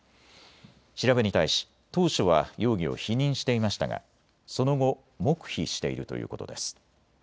調べに対し当初は容疑を否認していましたがその後、黙秘しているということです。